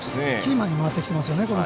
キーマンに回ってきてますよね